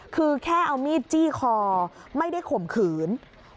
คือแค่เอามีดจี้คอไม่ได้ข่มขืน